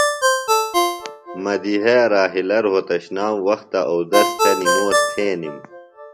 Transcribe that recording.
مدیحئے راحلہ روھتشنام وختہ اودس تھےۡ نِموس تھینِم۔